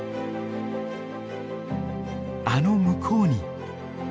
あの向こうに。